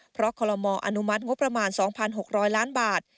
เพราะคอลโลมออนุมัติงบประมาณ๒๖๐๐ล้านบาท